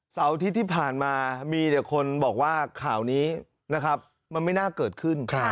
เสาร์อาทิตย์ที่ผ่านมามีแต่คนบอกว่าข่าวนี้นะครับมันไม่น่าเกิดขึ้น